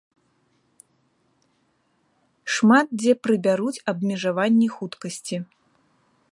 Шмат дзе прыбяруць абмежаванні хуткасці.